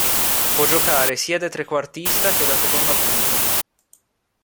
Può giocare sia da trequartista che da seconda punta.